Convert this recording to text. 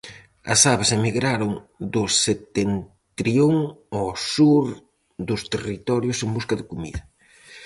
As aves emigraron do setentrión ao sur dos territorios en busca de comida.